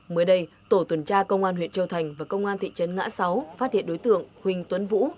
mới đây tổ tuần tra công an huyện châu thành và công an thị trấn ngã sáu phát hiện đối tượng huỳnh tuấn vũ